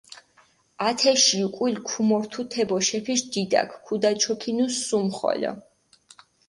ათეში უკული ქუმორთუ თე ბოშეფიშ დიდაქ, ქუდაჩოქინუ სუმხოლო.